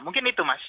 mungkin itu mas